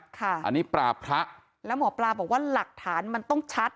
ค่ะอันนี้ปราบพระแล้วหมอปลาบอกว่าหลักฐานมันต้องชัด